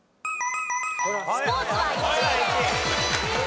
スポーツは１位です。